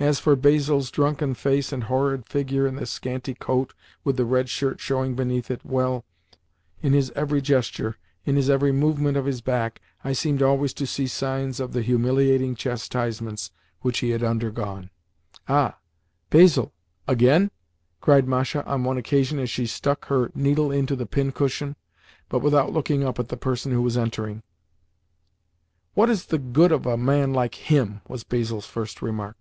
As for Basil's drunken face and horrid figure in the scanty coat with the red shirt showing beneath it, well, in his every gesture, in his every movement of his back, I seemed always to see signs of the humiliating chastisements which he had undergone. "Ah, Basil! Again?" cried Masha on one occasion as she stuck her needle into the pincushion, but without looking up at the person who was entering. "What is the good of a man like him?" was Basil's first remark.